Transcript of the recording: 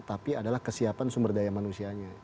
tapi adalah kesiapan sumber daya manusianya